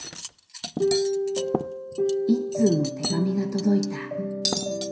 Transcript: １通の手紙が届いた。